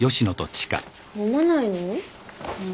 飲まないの？